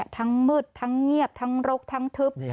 ทั้งมืดทั้งเงียบทั้งรกทั้งทึบ